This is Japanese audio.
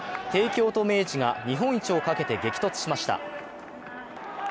帝京と明治が日本一をかけて激突しました。